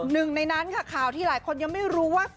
หนึ่งในนั้นค่ะข่าวที่หลายคนยังไม่รู้ว่า